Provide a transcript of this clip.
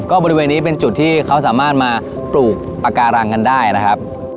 บริเวณนี้เป็นจุดที่เขาสามารถมาปลูกปากการังกันได้นะครับ